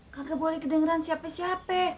kakek boleh kedengeran siapa siapa